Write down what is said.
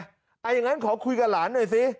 อย่างนั้นขอคุยกับหลานหน่อยสิ